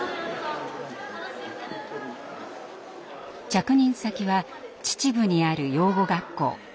着任先は秩父にある養護学校。